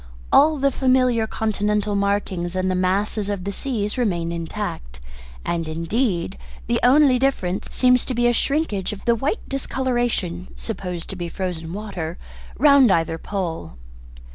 All the familiar continental markings and the masses of the seas remain intact, and indeed the only difference seems to be a shrinkage of the white discolouration (supposed to be frozen water) round either pole."